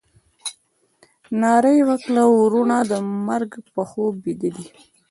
ناره یې وکړه ورونه د مرګ په خوب بیده دي.